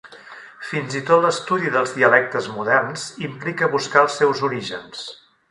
Fins i tot l'estudi dels dialectes moderns implica buscar els seus orígens.